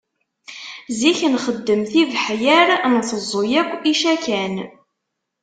Zik nxeddem tibeḥyar, nteẓẓu yakk icakan.